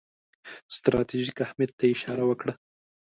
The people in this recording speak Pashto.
ستراتیژیک اهمیت ته یې اشاره وکړه.